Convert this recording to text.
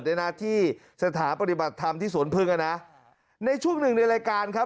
ในหน้าที่สถาปฏิบัติธรรมที่สวนพึ่งอ่ะนะในช่วงหนึ่งในรายการครับ